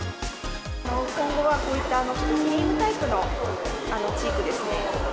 今後はこういった、ちょっとクリームタイプのチークですね。